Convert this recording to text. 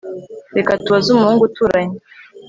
Reka tubaze umuhungu uturanye